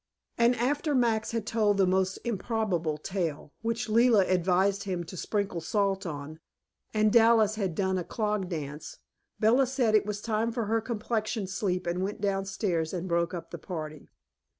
And after Max had told the most improbable tale, which Leila advised him to sprinkle salt on, and Dallas had done a clog dance, Bella said it was time for her complexion sleep and went downstairs, and broke up the party.